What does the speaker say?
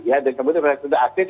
ya dan kemudian mereka sudah aktif